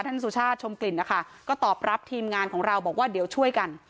สุชาติชมกลิ่นนะคะก็ตอบรับทีมงานของเราบอกว่าเดี๋ยวช่วยกัน